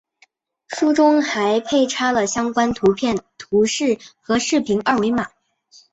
书中还配插了相关图片、图示和视频二维码